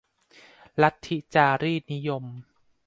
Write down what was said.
ลัทธิจารีตนิยม